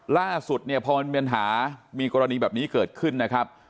ล่าสุดเนี่ยพอมันมีปัญหามีกรณีแบบนี้เกิดขึ้นนะครับ